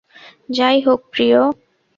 যাই হোক, প্রিয়।